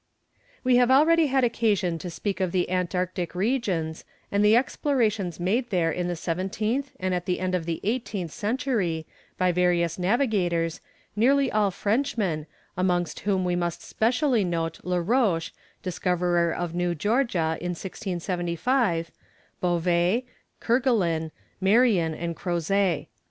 We have already had occasion to speak of the Antarctic regions, and the explorations made there in the seventeenth, and at the end of the eighteenth century, by various navigators, nearly all Frenchmen, amongst whom we must specially note La Roche, discoverer of New Georgia, in 1675, Bouvet, Kerguelen, Marion, and Crozet.